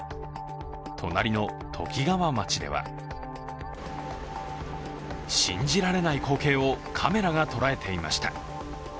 隣のときがわ町では信じられない光景をカメラが捉えていました。